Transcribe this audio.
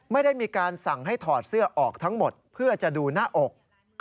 ไม่ได้มีการสั่งให้ถอดเสื้อออกทั้งหมดเพื่อจะดูหน้าอก